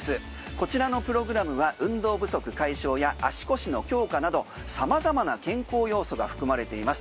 こちらのプログラムは運動不足解消や足腰の強化など様々な健康要素が含まれています。